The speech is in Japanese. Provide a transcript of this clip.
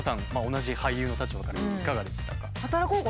同じ俳優の立場から見ていかがでしたか？